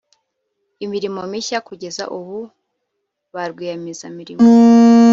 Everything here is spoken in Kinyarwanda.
imirimo mishya Kugeza ubu ba rwiyemezamirimo